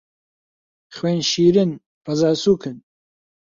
خوێن شیرن، ڕەزا سووکن